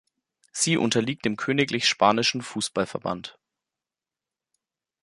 Sie unterliegt dem Königlich-spanischen Fußballverband.